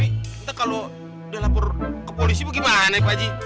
ente kalau udah lapor ke polisi gimana ya pak haji